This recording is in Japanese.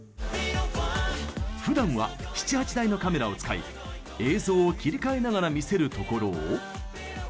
ふだんは７８台のカメラを使い映像を切り替えながら見せるところを。